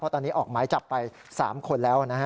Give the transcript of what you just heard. ตอนนี้ออกหมายจับไป๓คนแล้วนะฮะ